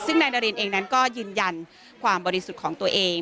ซึ่งนายนารินเองนั้นก็ยืนยันความบริสุทธิ์ของตัวเอง